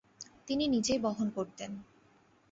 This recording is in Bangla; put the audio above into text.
তিনি নিজেই বহন করতেন।